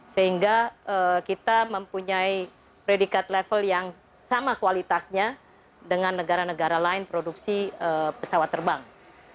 sehingga kita mempunyai predicate level yang sama kualitasnya dengan negara negara lain produk produk lainnya